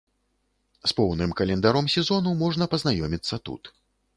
З поўным календаром сезону можна пазнаёміцца тут.